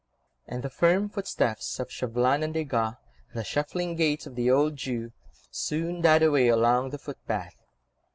And the firm footsteps of Chauvelin and Desgas, the shuffling gait of the old Jew, soon died away along the footpath.